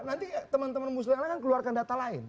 nanti teman teman musrah yang lain akan keluarkan data lain